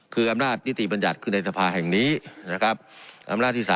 คืออำนาจนิติบัญญัติคือในสภาแห่งนี้นะครับอำนาจที่๓